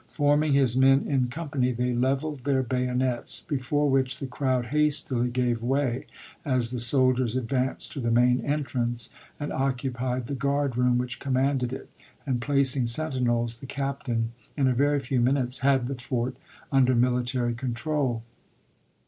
Forming his men in com pany, they leveled their bayonets, before which the crowd hastily gave way as the soldiers advanced to the main entrance, and occupied the guard room DoUbieday, which commanded it, and placing sentinels, the sumter^a captain, in a very few minutes, had the fort under MOp.166ie' military control.